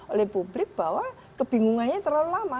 oleh publik bahwa kebingungannya terlalu lama